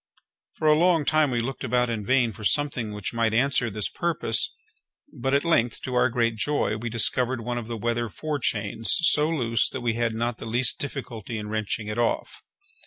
For a long time we looked about in vain for something which might answer this purpose; but at length, to our great joy, we discovered one of the weather forechains so loose that we had not the least difficulty in wrenching it off.